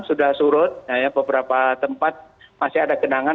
sudah surut beberapa tempat masih ada genangan